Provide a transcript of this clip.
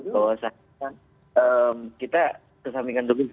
kalau saya ingin kita kesambingkan dulu masalah